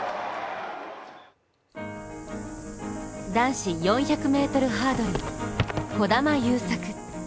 男子４００ｍハードル、児玉悠作。